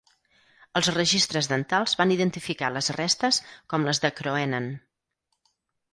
Els registres dentals van identificar les restes com les de Kroenen.